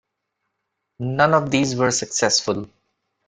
None of these were successful.